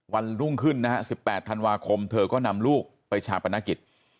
วันรุ่งขึ้นนะฮะ๑๘ธันวาคมเธอก็นำลูกไปชาปนกิจ